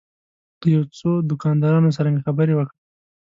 له یو څو دوکاندارانو سره مې خبرې وکړې.